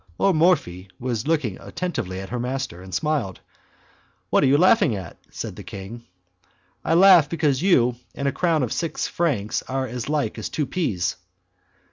O Morphi was looking attentively at her master, and smiled. "What are you laughing at?" said the king. "I laugh because you and a crown of six francs are as like as two peas."